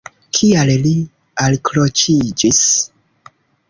Kial li alkroĉiĝis?